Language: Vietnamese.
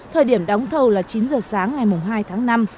thời điểm đóng thầu là chín giờ sáng ngày hai tháng năm